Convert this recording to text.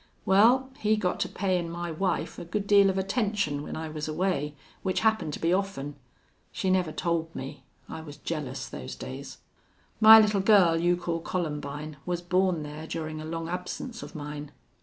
Well, he got to payin' my wife a good deal of attention when I was away, which happened to be often. She never told me. I was jealous those days. "My little girl you call Columbine was born there durin' a long absence of mine.